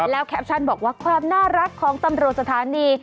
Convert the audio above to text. แล้วแคปชั่นบอกว่าความน่ารักของตำรวจสถานี